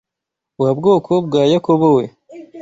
Wa bwoko bwa Yakobo we